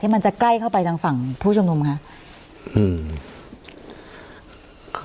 มันจะใกล้เข้าไปทางฝั่งผู้ชมนุมคะอืม